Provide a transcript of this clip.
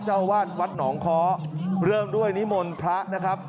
เจ้าอาวาสวัดหนองค้อเริ่มด้วยนิมนต์พระนะครับ